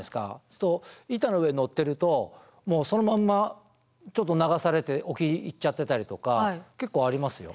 すると板の上に乗ってるともうそのまんまちょっと流されて沖行っちゃってたりとか結構ありますよ。